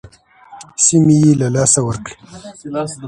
سیمې یې له لاسه ورکړې.